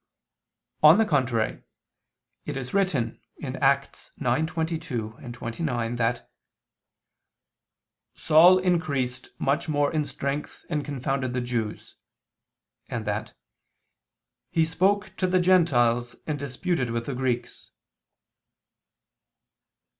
On the contrary, It is written (Acts 9:22, 29) that "Saul increased much more in strength, and confounded the Jews," and that "he spoke ... to the gentiles and disputed with the Greeks."